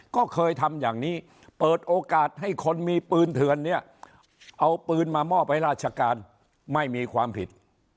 ก็เคยทำอย่างนี้เปิดโอกาสให้คนมีปืนเถื่อนเนี่ยเอาปืนมามอบให้ราชการไม่มีความผิด